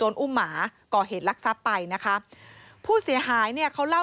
เขาก็จะเข้ามาคุยนี่นั่นคุยนู่นนี่นั่นแล้วก็จะถาม